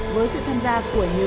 với sự tham gia của nhiều